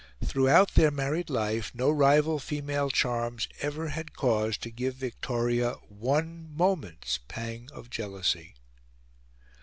Throughout their married life no rival female charms ever had cause to give Victoria one moment's pang of jealousy.